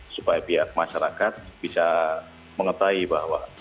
supaya pihak masyarakat bisa mengetahui bahwa